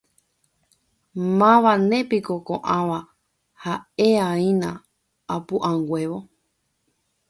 Mávanepiko ko'ãva ha'e'aína apu'ãnguévo.